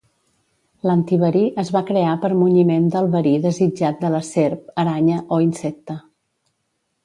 L'antiverí es va crear per munyiment del verí desitjat de la serp, aranya o insecte.